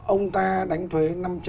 ông ta đánh thuế